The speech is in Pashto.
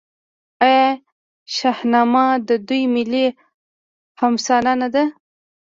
آیا شاهنامه د دوی ملي حماسه نه ده؟